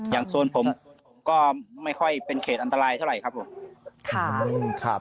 โซนผมก็ไม่ค่อยเป็นเขตอันตรายเท่าไหร่ครับผม